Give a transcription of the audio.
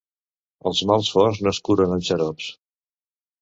Els mals forts no es curen amb xarops.